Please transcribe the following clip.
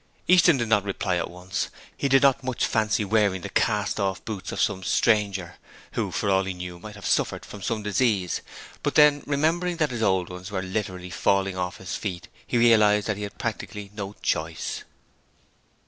Easton did not reply at once. He did not much fancy wearing the cast off boots of some stranger, who for all he knew might have suffered from some disease, but then remembering that his old ones were literally falling off his feet he realized that he had practically no choice.